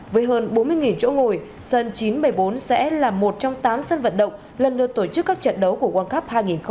với hơn bốn mươi chỗ ngồi sơn chín trăm bảy mươi bốn sẽ là một trong tám sân vận động lần lượt tổ chức các trận đấu của world cup hai nghìn hai mươi